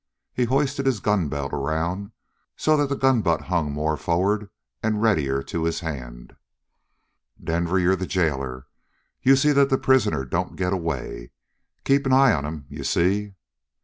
He hoisted his gun belt around so that the gun butt hung more forward and readier to his hand. "Denver, you're the jailer. You see the prisoner don't get away. Keep an eye on him, you see?"